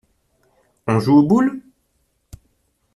On joue aux boules?